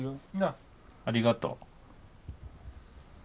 ありがとう。